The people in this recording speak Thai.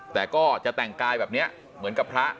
แต่ก็จะแต่งกายแบบนี้เหมือนกับพระ